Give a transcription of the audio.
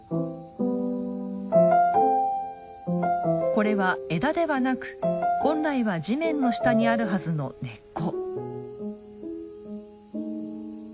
これは枝ではなく本来は地面の下にあるはずの根っこ。